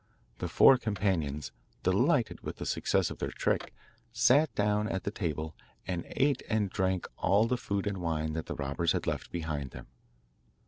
The four companions, delighted with the success of their trick, sat down at the table, and ate and drank all the food and wine that the robbers had left behind them.